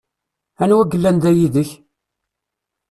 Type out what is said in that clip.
Anwa yellan da yid-k?